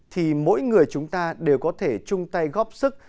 thì mỗi người chúng ta đều có thể chung tay góp sức